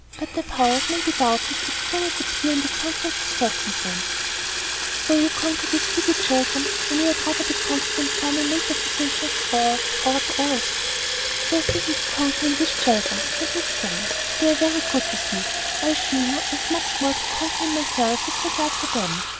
But their powers may be doubted, if they do not appear in the conquest of circumstances." "So you conquer these giddy children, when you had rather be conquering German metaphysicians, or , or , what else?" "There is little to conquer in these children," said Miss Young; "they are very good with me. I assure you I have much more to conquer in myself, with regard to them.